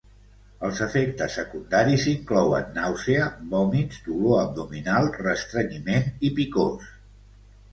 Els efectes secundaris inclouen nàusea, vòmits, dolor abdominal, restrenyiment i picors.